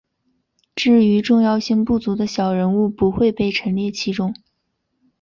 至于重要性不足的小人物不会被陈列其中。